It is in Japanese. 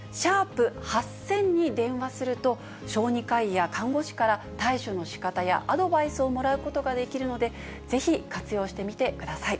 ＃８０００に電話すると、小児科医や看護師から、対処のしかたやアドバイスをもらうことができるので、ぜひ活用してみてください。